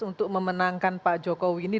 untuk memenangkan pak jokowi ini